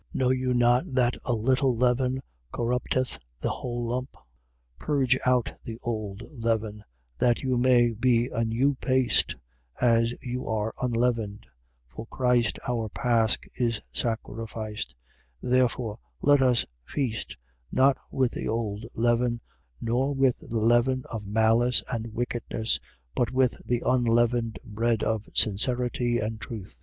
Know you not that a little leaven corrupteth the whole lump? 5:7. Purge out the old leaven, that you may be a new paste, as you are unleavened. For Christ our pasch is sacrificed. 5:8. Therefore, let us feast, not with the old leaven, nor with the leaven of malice and wickedness: but with the unleavened bread of sincerity and truth.